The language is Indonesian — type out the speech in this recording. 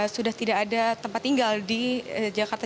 dan juga sudah tidak ada tempat tinggal di jakarta